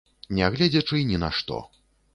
Нягледзячы ні на што.